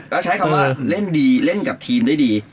แล้วใช้คำว่าเล่นกับทีมได้ดี